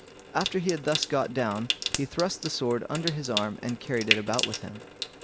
After he had thus got down, he thrust the sword under his arm and carried it about with him.